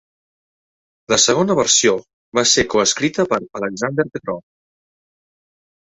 La segona versió va ser coescrita per Alexander Petrov.